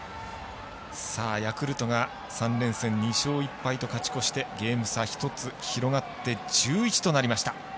ヤクルトが３連戦２勝１敗と勝ち越してゲーム差１つ広がって１１となりました。